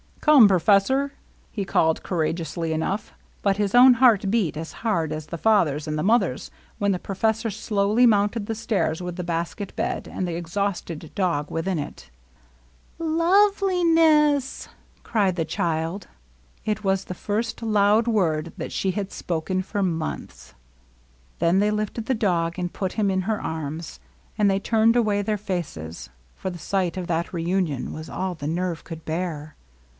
" Come, professor !" he called, courageously enough. But his own heart beat as hard as the father's and the mother's, when the professor slowly mounted the stairs with the basket bed and the exhausted dog within it. " LovB Zi ne5S /" cried the child. It was the first loud word that she had spoken for months. Then they lifted the dog and put him in her arms; and they turned away their faces, for the sight of that reunion was all the nerve could bear.